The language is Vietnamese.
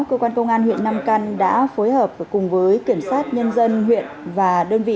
cơ quan công an huyện nam căn đã phối hợp cùng với kiểm soát nhân dân huyện và đơn vị